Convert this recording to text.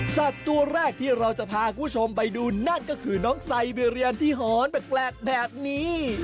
สัตว์ตัวแรกที่เราจะพาคุณผู้ชมไปดูนั่นก็คือน้องไซเบเรียนที่หอนแปลกแบบนี้